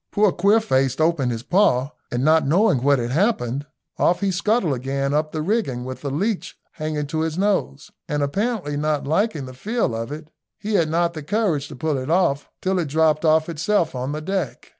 Poor Queerface opened his paw, and not knowing what had happened, off he scuttled again up the rigging with the leech hanging to his nose, and apparently not liking the feel of it, he had not the courage to pull it off till it dropped off itself on the deck.